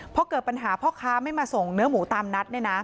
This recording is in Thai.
พอเกิดปัญหาพ่อค้าไม่มาส่งเนื้อหมูตามนัด